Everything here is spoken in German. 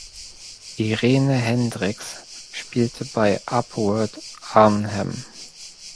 Irene Hendriks spielte bei "Upward Arnhem".